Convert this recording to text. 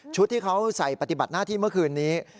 ที่เขาใส่ปฏิบัติหน้าที่เมื่อคืนนี้